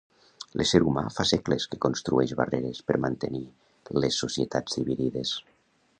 L'ésser humà fa segles que construeix barreres per mantenir les societats dividides